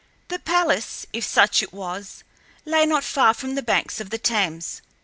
The palace, if such it was, lay not far from the banks of the Thames.